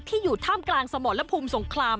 อยู่ท่ามกลางสมรภูมิสงคราม